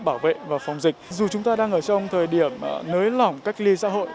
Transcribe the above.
bảo vệ và phòng dịch dù chúng ta đang ở trong thời điểm nới lỏng cách ly xã hội